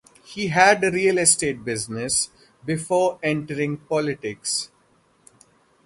He had a real estate business before entering politics.